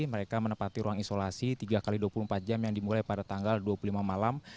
mereka menepati ruang isolasi tiga x dua puluh empat jam yang dimulai pada tanggal dua puluh lima malam